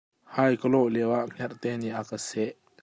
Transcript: Hai ka lawh lioah hngerhte nih a ka seh.